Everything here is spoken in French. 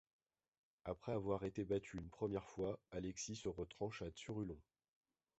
Après avoir été battu une première fois Alexis se retranche à Tzurulon.